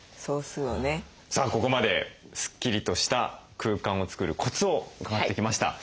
さあここまでスッキリとした空間を作るコツを伺ってきました。